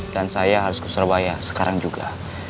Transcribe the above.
dan saya harus ke surabaya sekarang juga